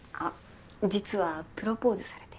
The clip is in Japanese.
実はプロポーズされて。